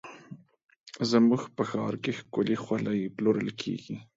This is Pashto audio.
زموږ په ښار کې ښکلې خولۍ پلورل کېږي.